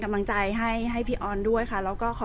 แต่ว่าสามีด้วยคือเราอยู่บ้านเดิมแต่ว่าสามีด้วยคือเราอยู่บ้านเดิม